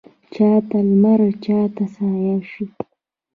چا ته لمر چا ته سایه شي